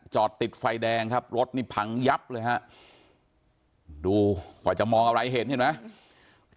จอดติดไฟแดงครับรถนี่พังยับเลยฮะดูกว่าจะมองอะไรเห็นเห็นไหม